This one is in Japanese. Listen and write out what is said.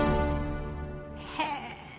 へえ。